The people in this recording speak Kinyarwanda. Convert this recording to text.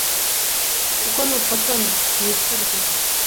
kuko n’ufotora yishyurwa